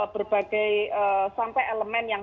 berbagai sampai elemen yang